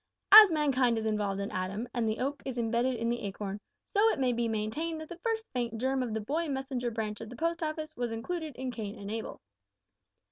As mankind is involved in Adam, and the oak is embedded in the acorn, so it may be maintained that the first faint germ of the Boy Messenger Branch of the Post Office was included in Cain and Abel.